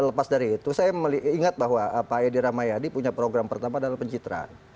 lepas dari itu saya ingat bahwa pak edi rahmayadi punya program pertama adalah pencitraan